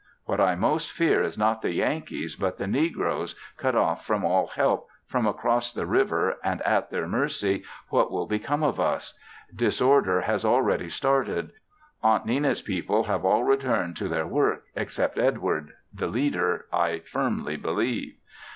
What I most fear is not the Yankees, but the negroes, cut off from all help from across the river, and at their mercy, what will become of us? Disorder has already started. Aunt Nenna's people have all returned to their work, except Edward; the leader, I firmly believe.